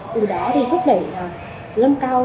từ đó thì thúc đẩy lân cao